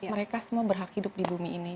mereka semua berhak hidup di bumi ini